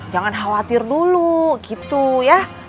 jangan khawatir dulu gitu ya